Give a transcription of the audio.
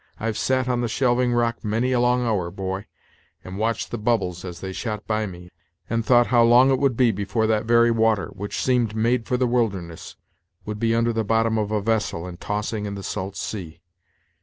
I've sat on the shelving rock many a long hour, boy, and watched the bubbles as they shot by me, and thought how long it would be before that very water, which seemed made for the wilderness, would be under the bottom of a vessel, and tossing in the salt sea.